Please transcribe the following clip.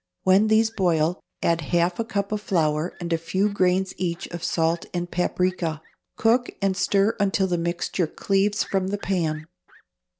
When these boil, add half a cup of flour and a few grains, each, of salt and paprica; cook and stir until the mixture cleaves from the pan.